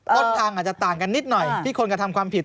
ต้นทางอาจจะต่างกันนิดหน่อยที่คนกระทำความผิด